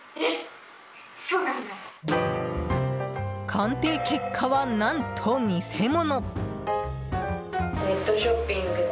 鑑定結果は、何と偽物。